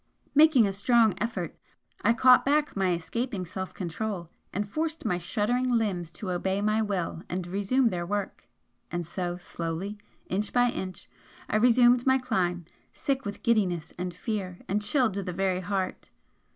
Making a strong effort, I caught back my escaping self control, and forced my shuddering limbs to obey my will and resume their work and so, slowly, inch by inch, I resumed my climb, sick with giddiness and fear and chilled to the very heart.